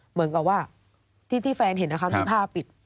เหมือนกับว่าที่แฟนเห็นนะคะมีผ้าปิด